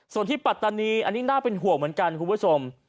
ส่วนที่ปัตตานีอันนี้น่าเป็นห่วงเหมือนกันคุณผู้ชม